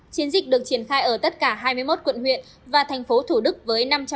chiến dịch được triển khai ở tất cả hai mươi một quận huyện và tp thủ đức